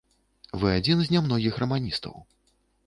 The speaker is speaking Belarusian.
Вы адзін з нямногіх раманістаў.